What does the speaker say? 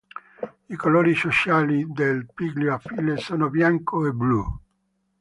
I colori sociali del Piglio Affile sono bianco e blu.